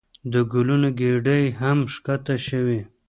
د ګلونو ګېډۍ هم ښکته شوې.